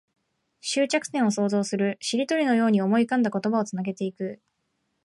終着点を想像する。しりとりのように思い浮かんだ言葉をつなげていく。